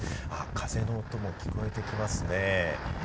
風の音も聞こえてきますね。